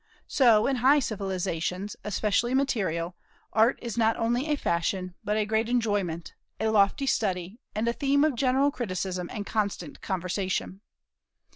So, in high civilizations, especially material, Art is not only a fashion but a great enjoyment, a lofty study, and a theme of general criticism and constant conversation.